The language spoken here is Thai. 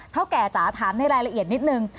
เท่าแก่จ๋าถามในรายละเอียดนิดนึง